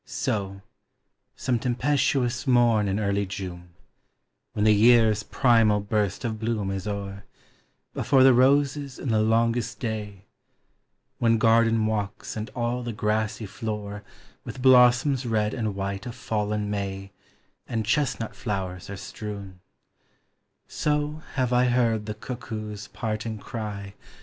So, some tempestuous morn in early June, When the year's primal burst of bloom is o'er, Before the roses and the longest day — When garden walks and all the grassy floor With blossoms red and white of fallen May And chestnut flowers are strewn — TREES: FLOWERS: PLANTS. So have I heard the cuckoo's parting cry.